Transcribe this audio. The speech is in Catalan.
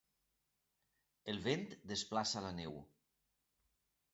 El vent desplaça la neu.